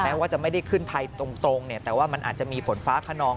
ว่าจะไม่ได้ขึ้นไทยตรงเนี่ยแต่ว่ามันอาจจะมีฝนฟ้าขนอง